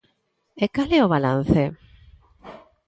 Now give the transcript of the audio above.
E ¿cal é o balance?